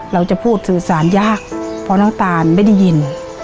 เราจะพูดสื่อสารยากเพราะน้องตานไม่ได้ยิน